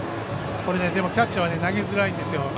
でもキャッチャーは投げづらいんですよ。